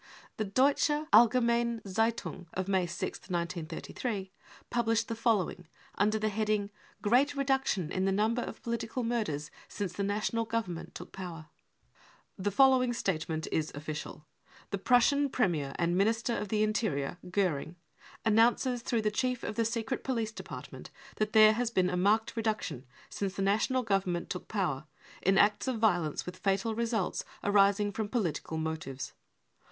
The Deutsche Allgemeine geitung of May 6th, 1 933, published i * the following, under the heading :" Great reduction in 318 brown book of the hitler terror the number of political murders since the National Govern ment took power ":" The following statement is official : The Prussian Premier and Minister of the Interior, Goering, an nounces through the Chief of the Secret Police Depart ment that there has been a marked reduction, since the National Government took power, in acts of violence with fatal results arising from political motives.